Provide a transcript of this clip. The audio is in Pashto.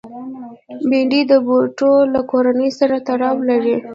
بېنډۍ د بوټو له کورنۍ سره تړاو لري